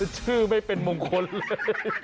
ชื่อไม่เป็นมงคลเลย